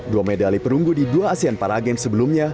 dua medali perunggu di dua asean paragames sebelumnya